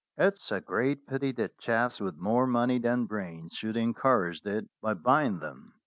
It is a great pity that chaps with more money than brains should encourage it by buying them.